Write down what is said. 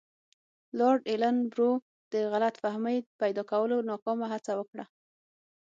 لارډ ایلن برو د غلط فهمۍ پیدا کولو ناکامه هڅه وکړه.